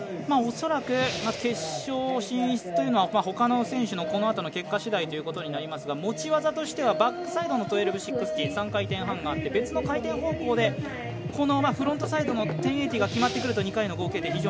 恐らく決勝進出というのは他の選手のこのあとの結果しだいということになりますが持ち技としてはバックサイドの１２６０３回転半があって、別の回転方向でこのフロントサイドの１０８０が決まってくると、２回の合計点